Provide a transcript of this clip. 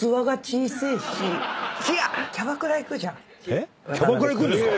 えっキャバクラ行くんですか